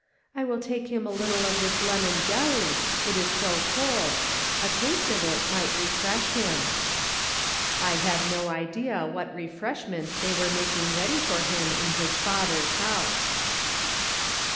" I will take him a little of this lemon jelly, it is so cold. A taste of it may refresh him." I had no idea what refreshment they were making ready for him in his Father's house.